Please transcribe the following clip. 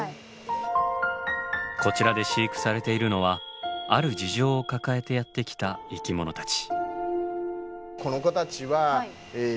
こちらで飼育されているのはある事情を抱えてやって来た生き物たち。